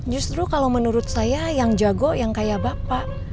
justru kalau menurut saya yang jago yang kayak bapak